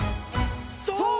そう！